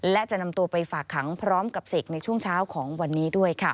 และจะนำตัวไปฝากขังพร้อมกับเสกในช่วงเช้าของวันนี้ด้วยค่ะ